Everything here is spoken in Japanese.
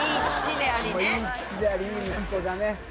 いい父でありいい息子だね。